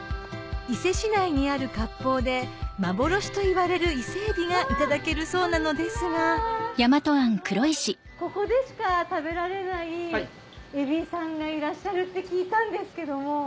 伊勢市内にある割烹で幻といわれる伊勢エビがいただけるそうなのですがここでしか食べられないエビさんがいらっしゃるって聞いたんですけども。